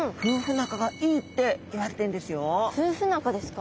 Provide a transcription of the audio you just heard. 夫婦仲ですか？